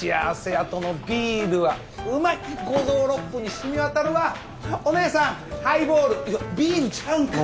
あとのビールはうまい五臓六腑に染み渡るわおねえさんハイボールいやビールちゃうんかい！